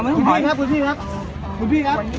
ขอช่วยคุณพี่อีกท่านหนึ่งครับ